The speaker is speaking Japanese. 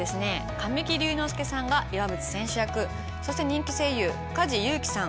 神木隆之介さんが岩渕選手役そして人気声優梶裕貴さん